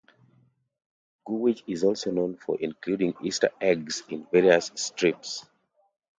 Gurewitch is also known for including Easter eggs in various strips.